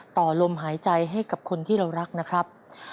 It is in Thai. ต่อลมหายใจให้กับคนที่เรารักนะครับ